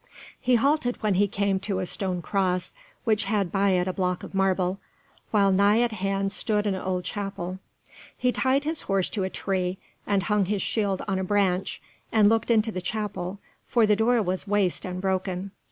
He halted when he came to a stone cross, which had by it a block of marble, while nigh at hand stood an old chapel. He tied his horse to a tree, and hung his shield on a branch, and looked into the chapel, for the door was waste and broken.